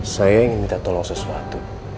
saya ingin minta tolong sesuatu